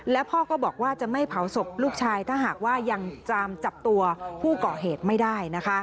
แล้วพ่อก็บอกว่าจะไม่เผาศพลูกชายถ้าหากว่ายังจามจับตัวผู้ก่อเหตุไม่ได้